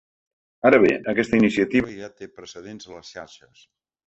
Ara bé, aquesta iniciativa ja té precedents a les xarxes.